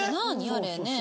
あれねえ。